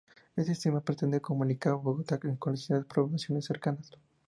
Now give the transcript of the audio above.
Este sistema, pretende comunicar Bogotá con las ciudades y poblaciones cercanas.